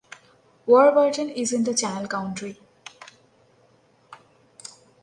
Warburton is in the Channel Country.